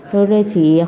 rồi rồi phí khoản